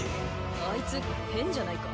あいつ変じゃないか？